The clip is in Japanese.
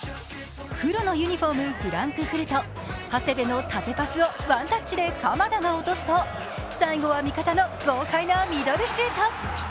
黒のユニフォーム、フランクフルト長谷部の縦パスをワンタッチで鎌田が落とすと最後は味方の豪快なミドルシュート。